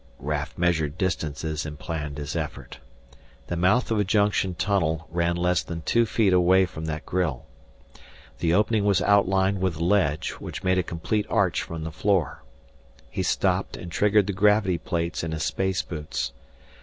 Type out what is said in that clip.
Raf measured distances and planned his effort. The mouth of a junction tunnel ran less than two feet away from that grille. The opening was outlined with a ledge, which made a complete arch from the floor. He stopped and triggered the gravity plates in his space boots.